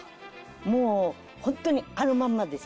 もう本当にあのまんまです。